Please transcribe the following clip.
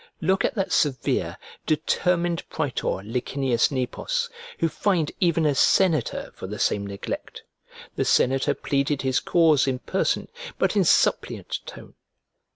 Look at that severe, determined, praetor, Licinius Nepos, who fined even a senator for the same neglect! The senator pleaded his cause in person, but in suppliant tone.